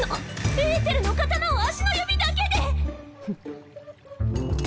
エーテルの刀を足の指だけで⁉フッ。